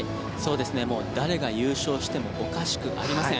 もう誰が優勝してもおかしくありません。